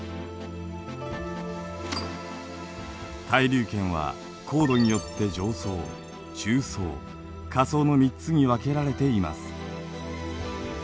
対流圏は高度によって上層中層下層の３つに分けられています。